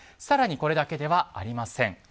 更に、これだけではありません。